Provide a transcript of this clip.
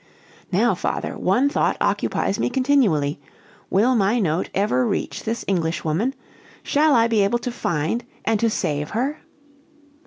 "Now, father, one thought occupies me continually: will my note ever reach this Englishwoman? Shall I be able to find, and to save her?"